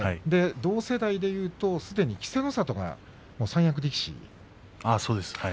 同世代でいうとすでに稀勢の里が三役力士。